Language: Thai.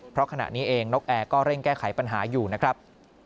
เพราะขณะนี้เองนกแอร์ก็เร่งแก้ไขปัญหาอยู่นะครับ